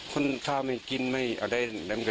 คนถ้าไม่กินไม่อะไร